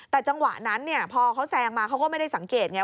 แต่จังหวะนั้นพอเขาแซงมาเขาก็ไม่ได้สังเกตไง